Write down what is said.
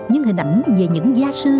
nhưng hình ảnh về những gia đình trở về nhà